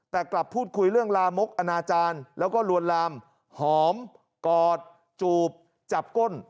แต่กลับพูดคุยเรื่องลามกอนาจารย์แล้วก็ลวนลามหอมกอดจูบจับก้น